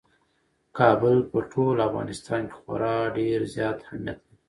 کابل په ټول افغانستان کې خورا ډېر زیات اهمیت لري.